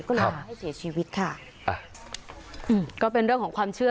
ก็เลยทำให้เสียชีวิตค่ะอ่ะอืมก็เป็นเรื่องของความเชื่อ